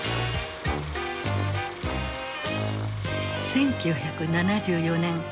１９７４年。